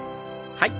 はい。